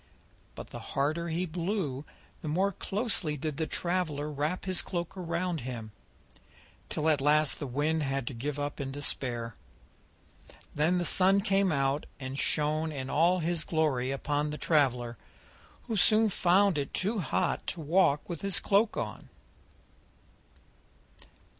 But the harder he blew the more closely did the traveller wrap his cloak round him, till at last the Wind had to give up in despair. Then the Sun came out and shone in all his glory upon the traveller, who soon found it too hot to walk with his cloak on.